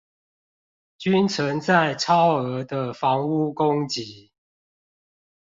均存在超額的房屋供給